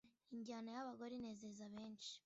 injyana y'abagore inezeza benshi